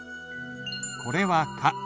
これは「カ」。